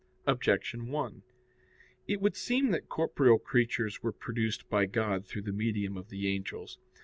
Objection 1: It would seem that corporeal creatures were produced by God through the medium of the angels.